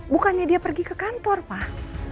bukannya dia pergi ke kantor pak